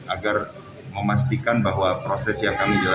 agar memastikan bahwa proses yang kami jalankan